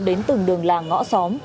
đến từng đường làng ngõ xóm